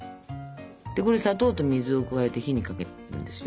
でこれ砂糖と水を加えて火にかけるんですよ。